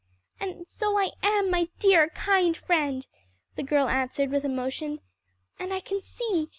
"And so I am, my dear kind friend," the girl answered with emotion; "and I can see!